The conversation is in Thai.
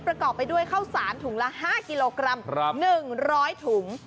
ประกอบไปด้วยข้าวสารถุงละ๕กิโลกรัม๑๐๐ถุง